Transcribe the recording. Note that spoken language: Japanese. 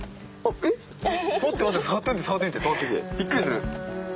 びっくりする。